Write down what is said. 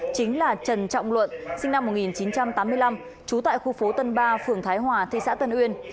chính là trần trọng luận sinh năm một nghìn chín trăm tám mươi năm trú tại khu phố tân ba phường thái hòa thị xã tân uyên